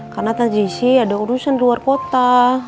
karena tante jessy ada urusan di luar kota